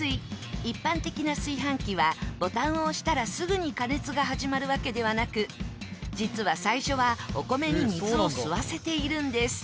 一般的な炊飯器はボタンを押したらすぐに加熱が始まるわけではなく実は最初はお米に水を吸わせているんです。